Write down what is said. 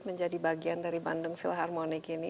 menjadi bagian dari bandung philharmonic ini